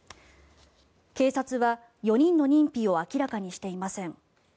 警察は４人の認否を明らかにしていません。